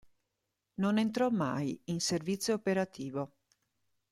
Non entrò mai in servizio operativo.